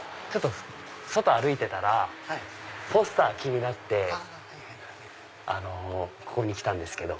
外歩いてたらポスター気になってここに来たんですけど。